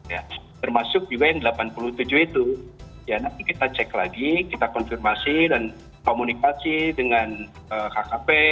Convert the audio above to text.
ya termasuk juga yang delapan puluh tujuh itu ya nanti kita cek lagi kita konfirmasi dan komunikasi dengan kkp